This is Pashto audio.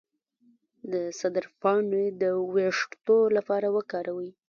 د سدر پاڼې د ویښتو لپاره وکاروئ